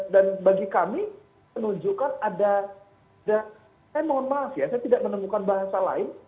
dan bagi kami menunjukkan ada saya mohon maaf ya saya tidak menemukan bahasa lain